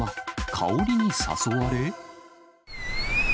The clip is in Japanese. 香りに誘われ？